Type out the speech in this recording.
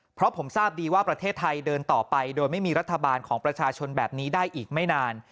เพราะผมทราบดีว่าประเทศไทยเดินต่อไปโดยไม่มีรัฐบาลของประชาชนแบบนี้ได้อีกไม่นาน